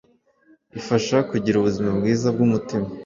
Ifasha kugira ubuzima bwiza bw'umutima